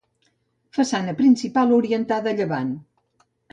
Façana principal orientada a llevant.